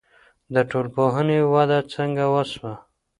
د ټولنپوهنې وده څنګه وسوه؟